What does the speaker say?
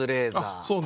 そうね。